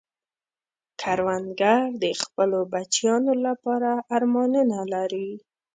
کروندګر د خپلو بچیانو لپاره ارمانونه لري